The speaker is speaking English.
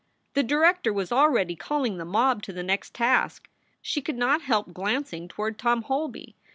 The director was already calling the mob to the next task. She could not help glancing toward Tom Holby.